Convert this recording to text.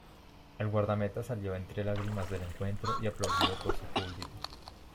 El guardameta salió entre lágrimas del encuentro y aplaudido por su público.